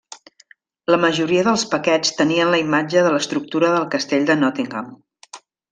La majoria dels paquets tenien la imatge de l'estructura del Castell de Nottingham.